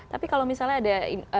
tapi kalau misalnya ada